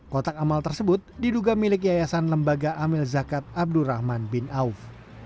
kotak amal tersebut diduga milik yayasan lembaga amil zakat abdurrahman bin auf